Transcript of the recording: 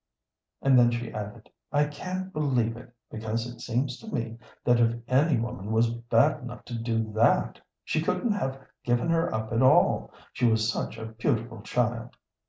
And then she added, "I can't believe it, because it seems to me that if any woman was bad enough to do that, she couldn't have given her up at all, she was such a beautiful child."